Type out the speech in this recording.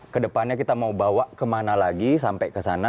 kedepannya kita mau bawa kemana lagi sampai ke sana